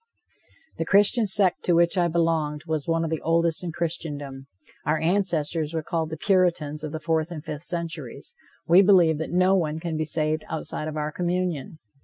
The Christian sect to which I belonged was one of the oldest in Christendom. Our ancestors were called the Puritans of the fourth and fifth centuries. We believe that no one can be saved outside of our communion.